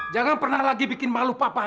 jangan pernah lagi bikin malu papa